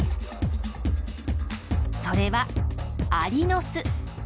それはアリの巣。